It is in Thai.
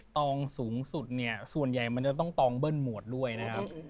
ตองสูงสุดเนี่ยส่วนใหญ่มันจะต้องตองเบิ้ลหมวดด้วยนะครับ